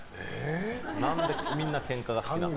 何でみんなケンカが好きなのか。